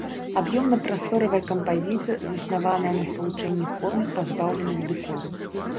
Аб'ёмна-прасторавая кампазіцыя заснаваная на спалучэнні форм, пазбаўленых дэкору.